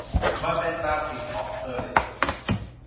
มันเป็นบางสิ่งของเธอเลยสิ